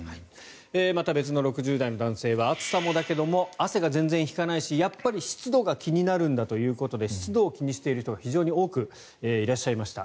また別の６０代の男性は暑さもだけど汗が全然引かないしやっぱり湿度が気になるんだということで湿度を気にしている人が非常に多くいらっしゃいました。